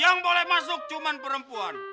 yang boleh masuk cuma perempuan